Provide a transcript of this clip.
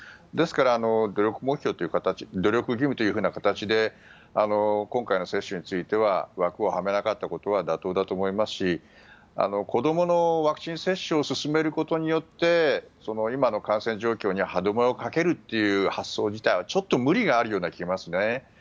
ですから、努力義務という形で今回の接種については枠をはめなかったことは妥当だと思いますし子どものワクチン接種を進めることによって今の感染状況に歯止めをかけるという発想自体はちょっと無理があるような気がしますね。